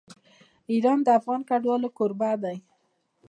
ایران د افغان کډوالو کوربه دی.